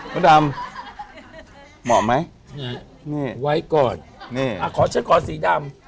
มันดำเหมาะไหมนี่นี่ไว้ก่อนนี่อ่ะขอเชิญก่อนสีดำ